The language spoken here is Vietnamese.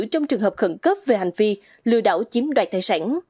trong trường hợp khẩn cấp về hành vi lừa đảo chiếm đoạt tài sản